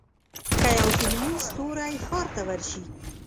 که یو فلمي ستوری ښار ته ورشي.